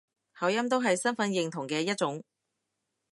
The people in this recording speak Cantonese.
口音都係身份認同嘅一種